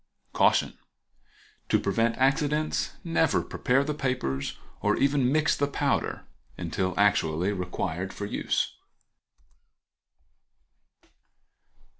Caution.—To prevent accidents never prepare the papers, or even mix the powder, until actually required for use.